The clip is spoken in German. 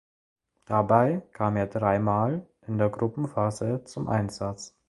Dabei kam er dreimal in der Gruppenphase zum Einsatz.